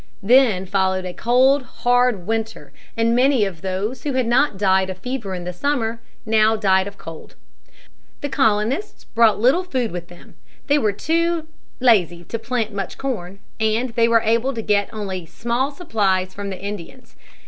Then followed a cold, hard winter, and many of those who had not died of fever in the summer, now died of cold. The colonists brought little food with them, they were too lazy to plant much corn, and they were able to get only small supplies from the Indians.